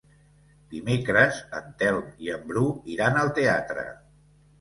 Dimecres en Telm i en Bru iran al teatre.